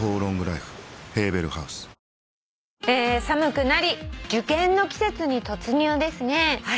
「寒くなり受験の季節に突入ですね」